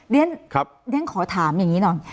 เรียนขอถามอย่างนี้หน่อย